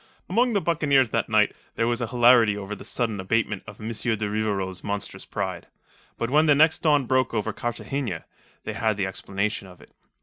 Among the buccaneers that night there was hilarity over the sudden abatement of M. de Rivarol's monstrous pride. But when the next dawn broke over Cartagena, they had the explanation of it.